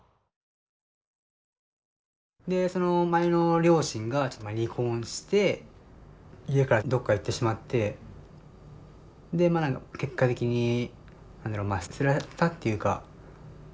でその前の両親が離婚して家からどっか行ってしまってでまあ結果的に何だろう捨てられたっていうか。